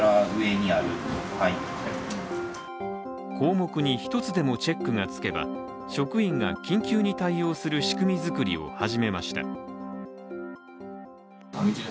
項目に１つでもチェックがつけば職員が緊急に対応する仕組み作りを始めました。